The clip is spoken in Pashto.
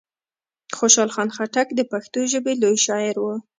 خوشحال خان خټک د پښتو ژبي لوی شاعر وو.